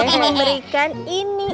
untuk memberikan ini